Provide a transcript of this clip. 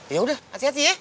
yaudah hati hati ya